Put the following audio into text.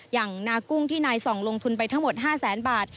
อย่างนากุ้งที่นายส่องลงทุนไปทั้งหมด๕แสนบาท